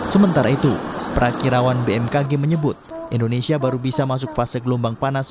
sementara itu prakirawan bmkg menyebut indonesia baru bisa masuk fase gelombang panas